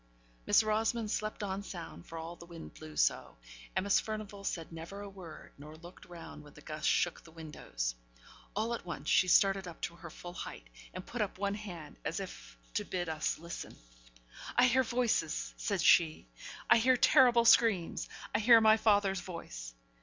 Miss Rosamond slept on sound, for all the wind blew so Miss Furnivall said never a word, nor looked round when the gusts shook the windows. All at once she started up to her full height, and put up one hand, as if to bid us to listen. 'I hear voices!' said she. 'I hear terrible screams I hear my father's voice!'